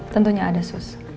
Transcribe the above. tentunya ada sus